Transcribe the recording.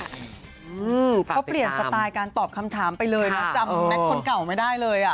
ฝากติดตามเขาเปลี่ยนสตายการตอบคำถามไปเลยจำแม็กซ์คนเก่าไม่ได้เลย